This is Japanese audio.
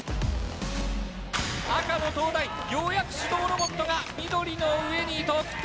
赤の東大ようやく手動ロボットが緑の上に得点。